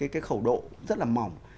cái khẩu độ rất là mỏng